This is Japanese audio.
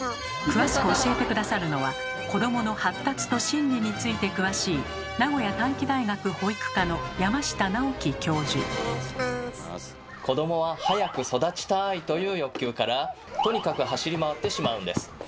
詳しく教えて下さるのは子どもの発達と心理について詳しい子どもは「早く育ちたい！」という欲求からとにかく走り回ってしまうんです。